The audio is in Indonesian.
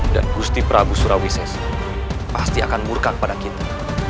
dan gusti pragu surawises pasti akan murka kepada kita